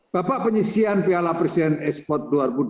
bapak penyisian piala presiden e sport dua ribu dua puluh satu